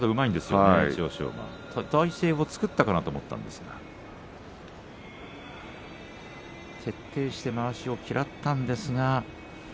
体勢を作ったのかなと思いましたが徹底してまわしを嫌ったんですが。